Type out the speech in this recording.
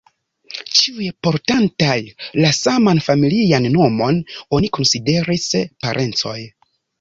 Ĉiuj, portantaj la saman familian nomon, oni konsideris parencoj.